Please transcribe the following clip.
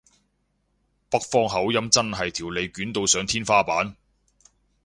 北方口音真係條脷捲到上天花板